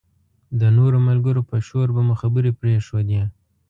د نورو ملګرو په شور به مو خبرې پرېښودې.